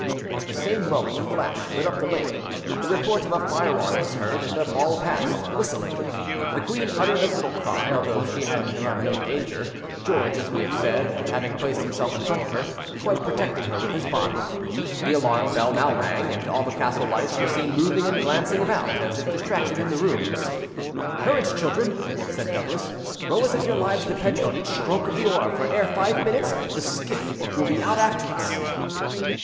At the same moment a flash lit up the lake; the report of a firearm was heard, and a ball passed, whistling. The queen uttered a little cry, although she had run no danger, George, as we have said, having placed himself in front of her, quite protecting her with his body. The alarm bell now rang, and all the castle lights were seen moving and glancing about, as if distracted, in the rooms. "Courage, children!" said Douglas. "Row as if your lives depended on each stroke of the oar; for ere five minutes the skiff will be out after us."